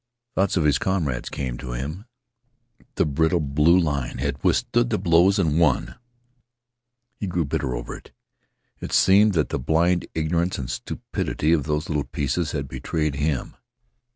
Thoughts of his comrades came to him. The brittle blue line had withstood the blows and won. He grew bitter over it. It seemed that the blind ignorance and stupidity of those little pieces had betrayed him.